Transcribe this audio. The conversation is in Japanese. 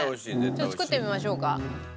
ちょっと作ってみましょうか。